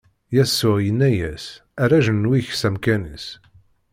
Yasuɛ inna-as: Err ajenwi-ik s amkan-is.